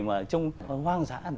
mà trông hoang dã